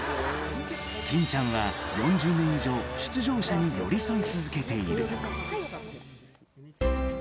欽ちゃんは４０年以上出場者に寄り添い続けている。